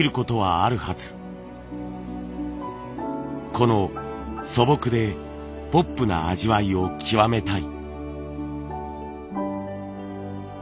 この素朴でポップな味わいを極めたい。